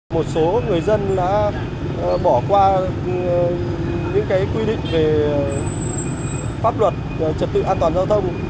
một số người dân đã bỏ qua những quy định về pháp luật trật tự an toàn giao thông